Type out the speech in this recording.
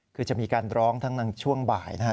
คือจะมีการร้องทั้งช่วงบ่ายนะฮะ